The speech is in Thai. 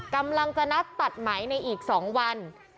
กำลังจะนัดตัดไหมในอีก๒วัน